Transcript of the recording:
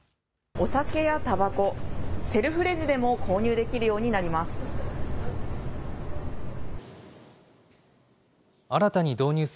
お酒やたばこ、セルフレジでも購入できるようになります。